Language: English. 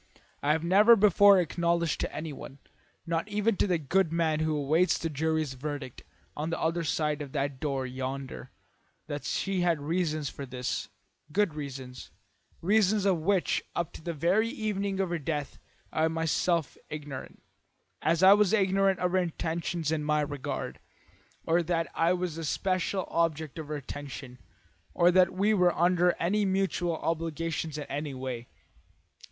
I have never before acknowledged to anyone, not even to the good man who awaits this jury's verdict on the other side of that door yonder, that she had reasons for this, good reasons, reasons of which up to the very evening of her death I was myself ignorant, as I was ignorant of her intentions in my regard, or that I was the special object of her attention, or that we were under any mutual obligations in any way.